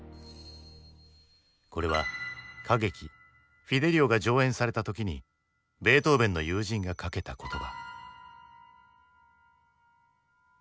これは歌劇「フィデリオ」が上演された時にベートーヴェンの友人がかけた言葉。